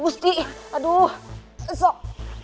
dua tiga sok